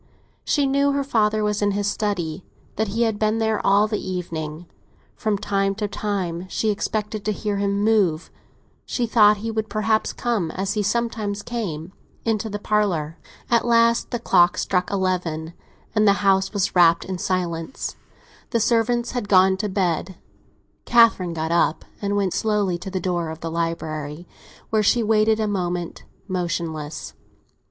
She knew her father was in his study—that he had been there all the evening; from time to time she expected to hear him move. She thought he would perhaps come, as he sometimes came, into the parlour. At last the clock struck eleven, and the house was wrapped in silence; the servants had gone to bed. Catherine got up and went slowly to the door of the library, where she waited a moment, motionless.